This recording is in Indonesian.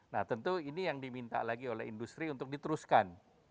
nah tentu ini yang diminta lagi oleh industri untuk diteruskan